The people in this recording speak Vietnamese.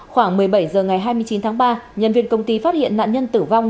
khoảng một mươi bảy h ngày hai mươi chín tháng ba nhân viên công ty phát hiện nạn nhân tử vong